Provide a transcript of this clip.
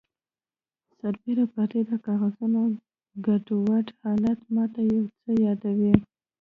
سربیره پردې د کاغذونو ګډوډ حالت ماته یو څه یادوي